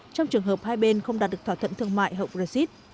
trong trường hợp hai bên không đạt được thỏa thuận thương mại hậu brexit